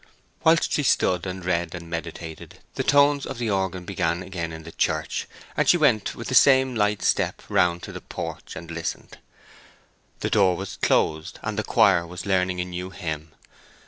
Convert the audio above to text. Whilst she stood and read and meditated the tones of the organ began again in the church, and she went with the same light step round to the porch and listened. The door was closed, and the choir was learning a new hymn.